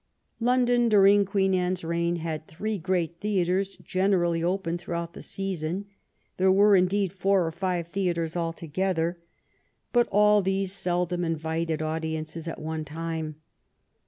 London, during Queen Anne's reign, had three great theatres generally open throughout the season. There were, indeed, four or five theatres altogether, but all these seldom invited audiences at one time.